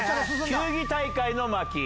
球技大会の巻。